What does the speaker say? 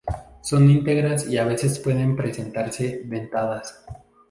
Son íntegras y a veces pueden presentarse dentadas.